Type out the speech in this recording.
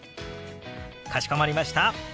かしこまりました。